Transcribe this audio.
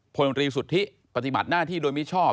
พลตรีสุทธิปฏิบัติหน้าที่โดยมิชอบ